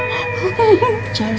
jangan sampai kedengeran rosan aku